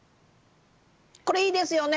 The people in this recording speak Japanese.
これいいですよね。